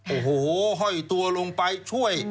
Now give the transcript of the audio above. โอ้โหห้อยตัวลงไปช่วย